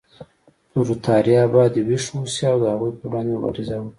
پرولتاریا باید ویښ اوسي او د هغوی پر وړاندې مبارزه وکړي.